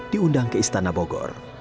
diundang ke istana bogor